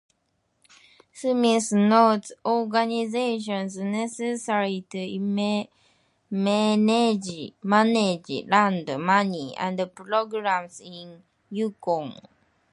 Smith notes organizations necessary to manage land, money, and programs in Yukon.